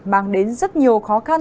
mang đến rất nhiều khó khăn